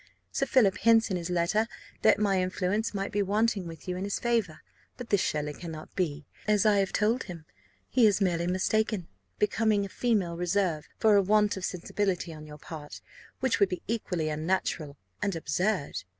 Sir Philip hints in his letter, that my influence might be wanting with you in his favour; but this surely cannot be. As I have told him, he has merely mistaken becoming female reserve for a want of sensibility on your part, which would be equally unnatural and absurd.